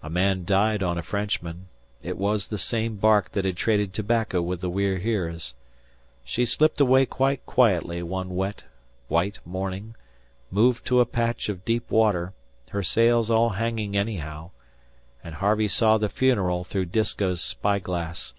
A man died on a Frenchman it was the same bark that had traded tobacco with the We're Heres. She slipped away quite quietly one wet, white morning, moved to a patch of deep water, her sails all hanging anyhow, and Harvey saw the funeral through Disko's spy glass.